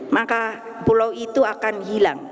maka pulau itu akan hilang